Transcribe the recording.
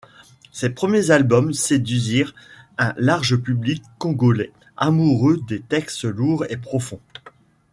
Ses premiers albums séduisirent un large public congolais amoureux des textes lourds et profonds.